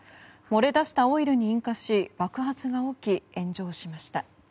漏れ出したオイルに引火し爆発が起き炎上しました。